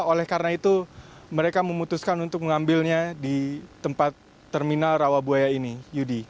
oleh karena itu mereka memutuskan untuk mengambilnya di tempat terminal rawabuaya ini yudi